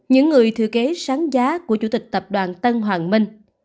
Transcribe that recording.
những người thừa kế sáng giá của chủ tịch tập đoàn tân hoàng minh